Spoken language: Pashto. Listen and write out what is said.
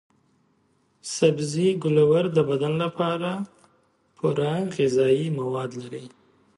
سبزي ګولور د بدن لپاره پوره غذايي مواد لري.